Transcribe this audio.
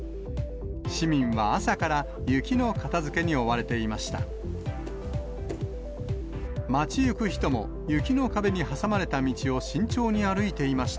市民は朝から雪の片づけに追われていました。